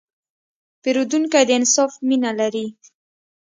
پیرودونکی د انصاف مینه لري.